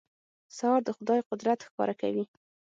سهار د خدای قدرت ښکاره کوي.